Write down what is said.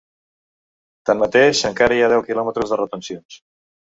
Tanmateix, encara hi ha deu quilòmetres de retencions.